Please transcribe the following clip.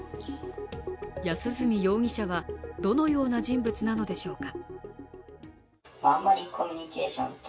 安栖容疑者はどのような人物なのでしょうか。